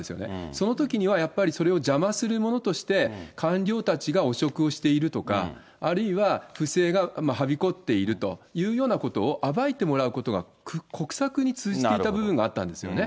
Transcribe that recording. そのときにはやっぱりそれを邪魔するものとして、官僚たちが汚職をしているとか、あるいは不正がはびこっているというようなことを暴いてもらうことが国策に通じていた部分があったんですよね。